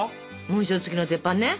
紋章付きの鉄板ね。